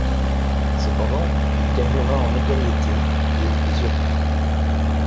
Cependant, il gagnera en notoriété et plusieurs prix.